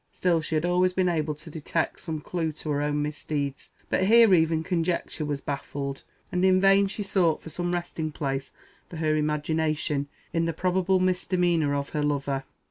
Still she had always been able to detect some clue to her own misdeeds; but here even conjecture was baffled, and in vain she sought for some resting place for her imagination, in the probable misdemeanour of her lover.